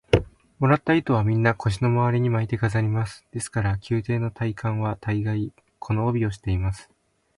もらった糸は、みんな腰のまわりに巻いて飾ります。ですから、宮廷の大官は大がい、この帯をしています。